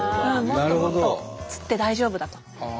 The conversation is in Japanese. もっともっと釣って大丈夫だと。